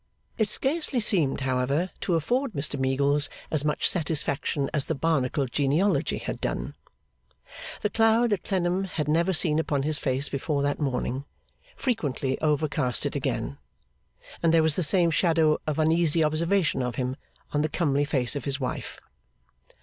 It scarcely seemed, however, to afford Mr Meagles as much satisfaction as the Barnacle genealogy had done. The cloud that Clennam had never seen upon his face before that morning, frequently overcast it again; and there was the same shadow of uneasy observation of him on the comely face of his wife.